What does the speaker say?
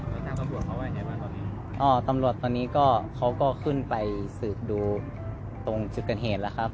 ที่โดนกระถำนะตอนนี้ก็อยู่ที่ประมาณ๕๖แผงได้